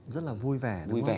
rất là vui vẻ